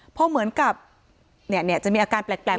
เพราะเหมือนกับเนี่ยจะมีอาการแปลกปากสั่น